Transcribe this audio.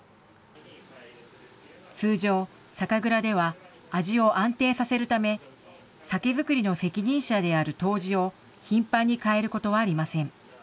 通常、酒蔵では味を安定させるため、酒造りの責任者である杜氏を頻繁に変えることはありません。